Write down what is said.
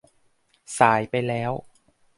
สายไปแล้ว